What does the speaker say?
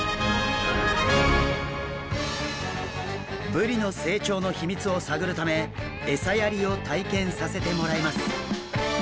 ブリの成長の秘密を探るため餌やりを体験させてもらいます。